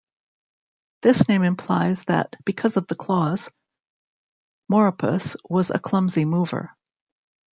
This name implies that because of the claws, "Moropus" was a clumsy mover.